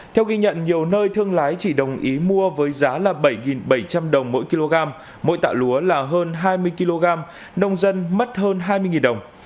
theo ghi nhận nhiều nơi thương lái chỉ đồng ý mua với giá là bảy bảy trăm linh đồng mỗi kg mỗi tạ lúa là hơn hai mươi kg nông dân mất hơn hai mươi đồng